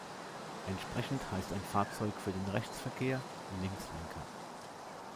Entsprechend heißt ein Fahrzeug für den Rechtsverkehr Linkslenker.